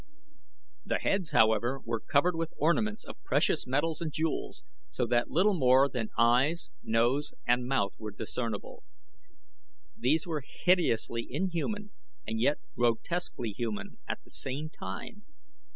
The heads, however, were covered with ornaments of precious metals and jewels, so that little more than eyes, nose, and mouth were discernible. These were hideously inhuman and yet grotesquely human at the same time.